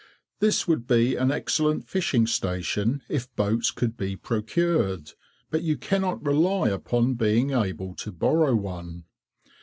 This would be an excellent fishing station if boats could be procured, but you cannot rely upon being able to borrow one.